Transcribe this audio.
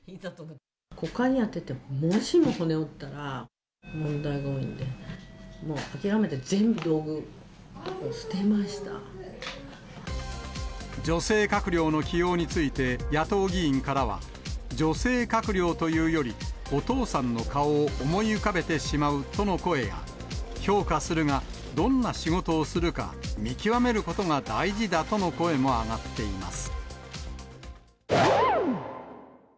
国会議員やってて、もしも骨を折ったら、問題が多いので、もう、諦めて全部道具、捨てまし女性閣僚の起用について、野党議員からは、女性閣僚というより、お父さんの顔を思い浮かべてしまうとの声や、評価するが、どんな仕事をするか見極めることが大事だとの声も上がっています。